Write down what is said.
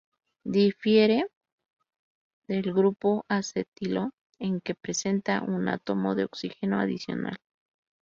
Difiere del grupo acetilo en que presenta un átomo de oxígeno adicional.